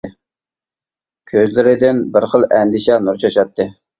كۆزلىرىدىن بىر خىل ئەندىشە نۇر چاچاتتى.